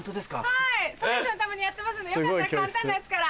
はいそういう人のためにやってますんでよかったら簡単なやつから。